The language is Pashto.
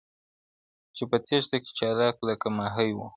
چي په تېښته کي چالاک لکه ماهى وو٫